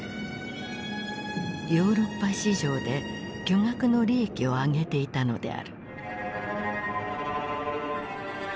ヨーロッパ市場で巨額の利益を上げていたのである。